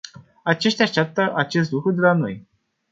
Aceștia așteaptă acest lucru de la noi.